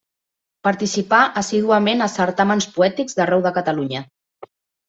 Participà assíduament a certàmens poètics d'arreu de Catalunya.